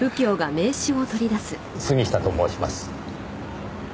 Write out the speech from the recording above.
杉下と申します。